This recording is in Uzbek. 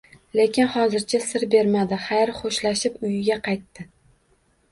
Lekin hozircha sir bermadi, xayr-xo‘shlashib uyiga qaytdi